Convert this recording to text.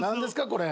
これ。